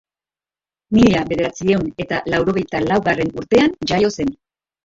Mila bederatziehun eta laurogeita laugarren urtean jaio zen.